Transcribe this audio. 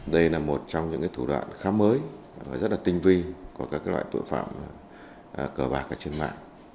đây là một trong những thủ đoạn khá mới rất là tinh vi của các loại tội phạm cờ bạc ở trên mạng